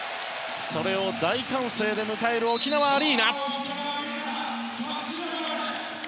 それを大歓声で迎える沖縄アリーナ。